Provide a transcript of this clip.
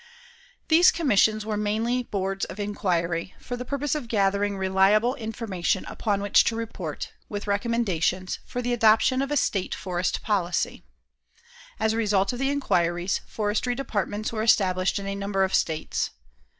These commissions were mainly boards of inquiry, for the purpose of gathering reliable information upon which to report, with recommendations, for the adoption of a state forest policy. As a result of the inquiries, forestry departments were established in a number of states.